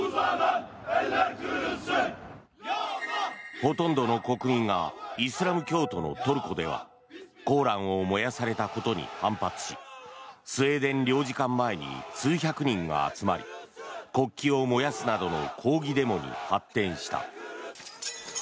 ほとんどの国民がイスラム教徒のトルコではコーランを燃やされたことに反発しスウェーデン領事館前に数百人が集まり国旗を燃やすなどの抗議デモに発展した。